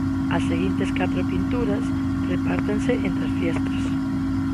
As seguintes catro pinturas repártense entre as fiestras.